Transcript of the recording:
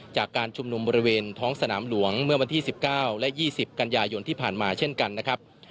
จากการชุมนุมบริเวณท้องสนามหลวงเมื่อวันที่๑๙และ๒๐กันยายนที่ผ่านมาเช่นกันนะครับ